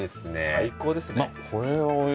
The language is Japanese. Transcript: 最高ですね。